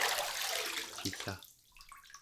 cilla